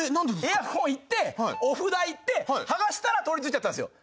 エアコンいってお札いって剥がしたら取りついちゃったんですよ。